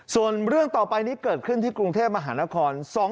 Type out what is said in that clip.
ส่วนเรื่องต่อไปนี้เกิดขึ้นที่กรุงเทพมหานคร